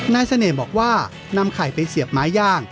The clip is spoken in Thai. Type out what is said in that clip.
เสน่ห์บอกว่านำไข่ไปเสียบไม้ย่าง